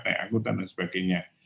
naik akutan dan sebagainya